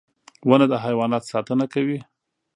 • ونه د حیواناتو ساتنه کوي.